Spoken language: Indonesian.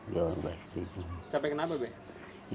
capek kenapa bek